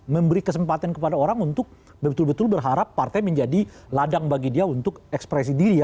memberi kesempatan kepada orang untuk betul betul berharap partai menjadi ladang bagi dia untuk ekspresi diri ya